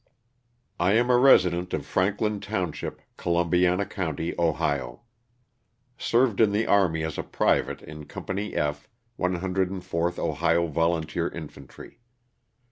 T AM a resident of Franklin township, Columbiana ^ county, Ohio. Served in the army as a private in Company F, 104th Ohio Volunteer Infantry.